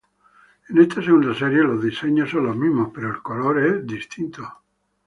En esta segunda serie los diseños son los mismos, pero el color es distinto.